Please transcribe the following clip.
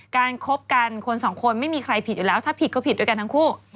คบกันคนสองคนไม่มีใครผิดอยู่แล้วถ้าผิดก็ผิดด้วยกันทั้งคู่